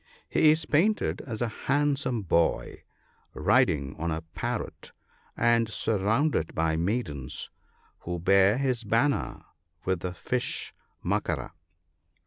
He is painted as a handsome boy, riding on a parrot, and surrounded by maidens, who bear his banner with the fish Makara.